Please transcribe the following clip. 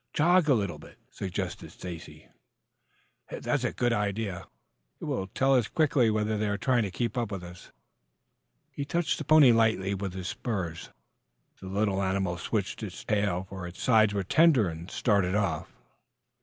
"Jog a little," suggested Stacy. "That's a good idea. It will tell us quickly whether they are trying to keep up with us." He touched the pony lightly with his spurs. The little animal switched its tail, for its sides were tender, and started off.